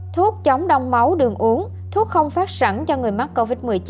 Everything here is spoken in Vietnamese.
thuốc chống đông máu đường uống thuốc không phát sẵn cho người mắc covid một mươi chín